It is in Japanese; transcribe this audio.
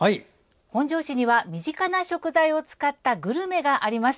本庄市には身近な食材を使ったＢ級グルメがあります。